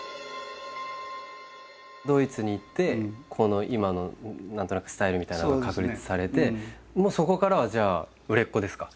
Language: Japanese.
ドイツに行ってこの今の何となくスタイルみたいなものが確立されてもうそこからはじゃあ売れっ子ですか？